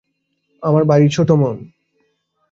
আমার ভারি ছোটো মন।